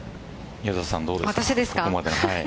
宮里さん、どうですか。